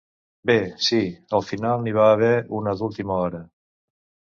Bé, sí, al final n’hi va haver una d’última hora.